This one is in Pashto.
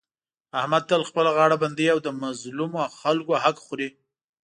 احمد تل خپله غاړه بندوي او د مظلومو خلکو حق خوري.